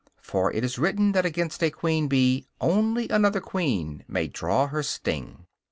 For it is written that against a queen bee only another queen may draw her sting.